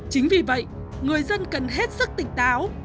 chính vì vậy người dân cần hết sức tỉnh táo